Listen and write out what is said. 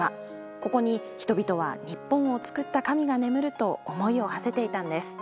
ここに人々は日本をつくった神が眠ると思いをはせていたんです。